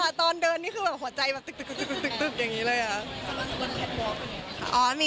แต่ตอนเดินนี่คือหัวใจตึกอย่างนี้เลยค่ะ